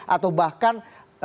atau bahkan posisi di tim koalisi itu